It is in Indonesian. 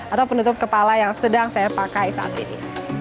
atau penutup kepala yang sedang saya pakai saat ini